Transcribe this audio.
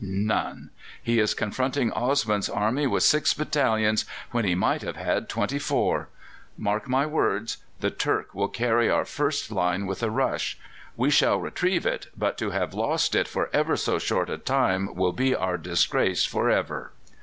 None. He is confronting Osman's army with six battalions when he might have had twenty four. Mark my words: the Turks will carry our first line with a rush. We shall retrieve it, but to have lost it for ever so short a time will be our disgrace for ever."